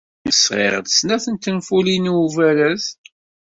Sɣiɣ-d snat n tenfulin i ubaraz.